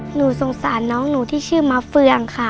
หนูสงสารน้องหนูที่ชื่อมะเฟืองค่ะ